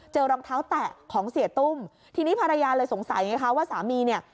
รองเท้าแตะของเสียตุ้มทีนี้ภรรยาเลยสงสัยไงคะว่าสามีเนี่ย